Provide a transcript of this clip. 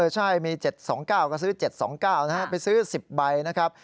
ใช่มี๗๒๙ก็ซื้อ๗๒๙นะครับไปซื้อ๑๐ใบนะครับ